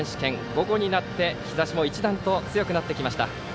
午後になって日ざしも一段と強くなってきました。